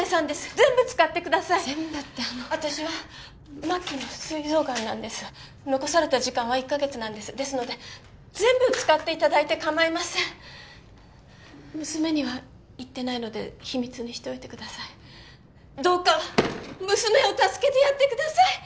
全部ってあの私は末期のすい臓がんなんです残された時間は１ヵ月なんですですので全部使っていただいてかまいません娘には言ってないので秘密にしといてくださいどうか娘を助けてやってください